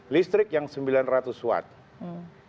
listrik yang sembilan ratus watt